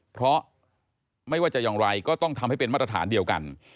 เพราะไม่ว่าจะอย่างไรก็ต้องทำให้เป็นมาตรฐานเดียวกัน